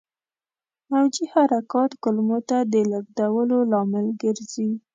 موجي حرکات کولمو ته د لېږدولو لامل ګرځي.